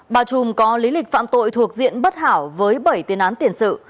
bà trùm có lý lịch phạm tội thuộc diện bất hảo với bảy tiền án tiền sự